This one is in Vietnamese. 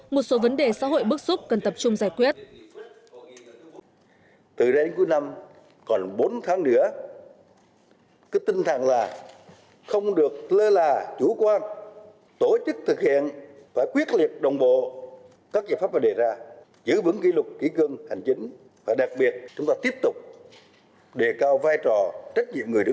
một số vấn đề xã hội bước xúc cần tập trung giải quyết